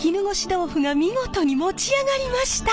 豆腐が見事に持ち上がりました。